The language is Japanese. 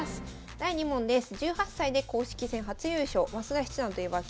第２問です。え？